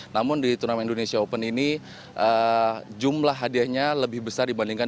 namun di turnamen indonesia open ini jumlah hadiahnya lebih besar dibandingkan